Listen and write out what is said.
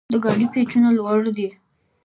د ګاډي پېچونه لوړ دي.